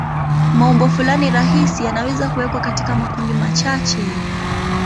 Maumbo fulani rahisi yanaweza kuwekwa katika makundi machache.